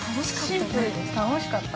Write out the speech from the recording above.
◆シンプルに楽しかった。